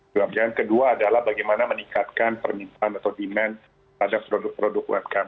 dan kedua adalah bagaimana meningkatkan permintaan atau demand pada produk produk umkm